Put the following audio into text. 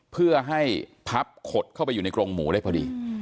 เพื่อให้พับขดเข้าไปอยู่ในกรงหมูได้พอดี